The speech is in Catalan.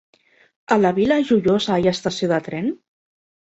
A la Vila Joiosa hi ha estació de tren?